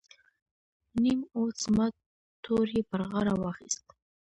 نیم اودس مات تور یې پر غاړه واخیست.